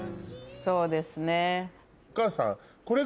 そうですね。